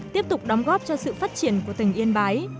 tiếp tục đóng góp cho sự phát triển của tỉnh yên bái